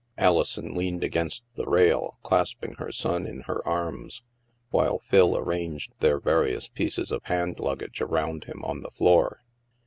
Alison leaned against the rail, clasping her son in her arms, while Phil arranged their various pieces of hand luggage around him on the floor.